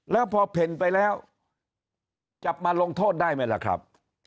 แล้วพอเพ่นไปแล้วจับมาลงโทษได้ไหมล่ะครับ